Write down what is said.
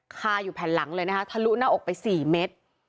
คาอยู่แผ่นหลังเลยนะคะทะลุหน้าอกไป๔เมตร